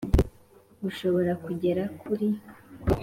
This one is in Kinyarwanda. bushobora kugera kuri m ,